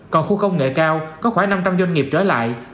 còn khu công nghệ cao có khoảng năm trăm linh doanh nghiệp trở lại